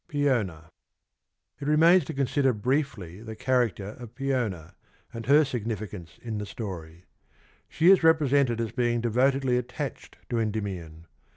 24 meaning. It remains to consider briefly the character of Peona, ^'eona. and her significance in the story. She is represented as being devotedly attached to Endymion.